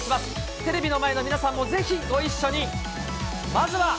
テレビの前の皆さんもぜひご一緒に。